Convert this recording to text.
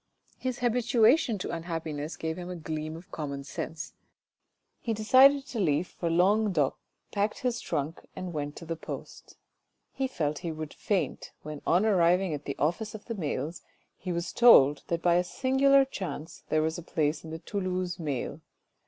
His habituation to unhappiness gave him a gleam of common sense, he decided to leave for Languedoc, packed his trunk and went to the post. He felt he would faint, when on arriving at the office of the mails, he was told that by a singular chance there was a place in the Toulouse mail.